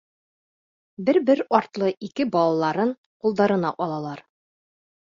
Бер-бер артлы ике балаларын ҡулдарына алалар.